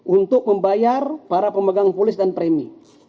untuk membayar para pemegang polis dan premi